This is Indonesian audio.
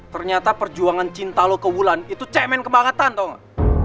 ternyata perjuangan cinta lo ke wulan itu cekmen kebangetan tau gak